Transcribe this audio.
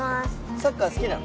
サッカー好きなの？